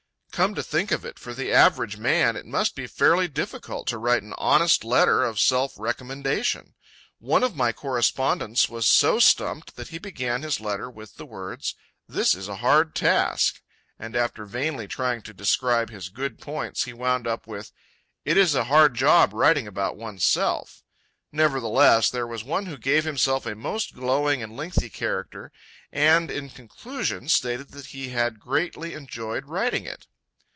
Come to think of it, for the average man it must be fairly difficult to write an honest letter of self recommendation. One of my correspondents was so stumped that he began his letter with the words, "This is a hard task"; and, after vainly trying to describe his good points, he wound up with, "It is a hard job writing about one's self." Nevertheless, there was one who gave himself a most glowing and lengthy character, and in conclusion stated that he had greatly enjoyed writing it.